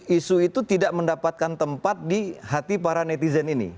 isu itu tidak mendapatkan tempat di hati para netizen ini